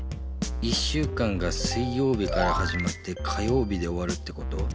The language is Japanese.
１週間が水曜日からはじまって火曜日でおわるってこと？